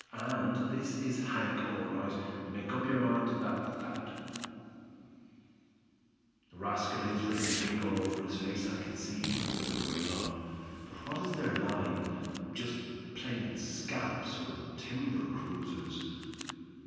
And this is Hank, all right, make up your mind to that, Thad." "Rascal is written big all over his face, I can see," the other went on. "But what is their line just plain scamps, or timber cruisers?"